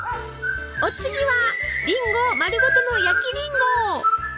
お次はりんご丸ごとの焼きりんご。